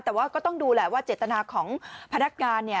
แต่ว่าก็ต้องดูแหละว่าเจตนาของพนักงานเนี่ย